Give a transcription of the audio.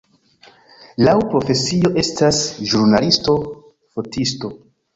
Laŭ profesio estas ĵurnalisto-fotisto.